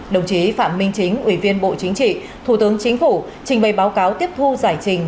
đồng chí phạm minh chính ủy viên bộ chính trị thủ tướng chính phủ trình bày báo cáo tiếp thu giải trình